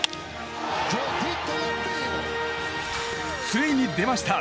ついに出ました